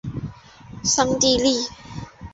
桑蒂利。